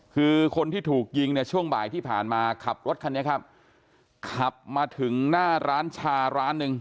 คือคนที่ถูกยิงเนี่ยช่วงบ่ายที่ผ่านมาขับรถคันนี้ครับขับมาถึงหน้าร้านชาร้านหนึ่ง